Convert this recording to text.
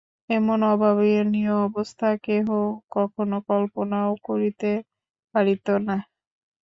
এমন অভাবনীয় অবস্থা কেহ কখনো কল্পনাও করিতে পারিত না।